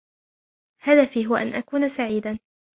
هدفي هو أن أكون سعيداً.